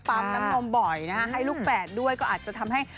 ปั๊มน้ำนมบ่อยนะฮะให้ลูกแฝดด้วยก็อาจจะทำให้